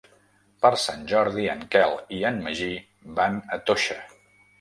Per Sant Jordi en Quel i en Magí van a Toixa.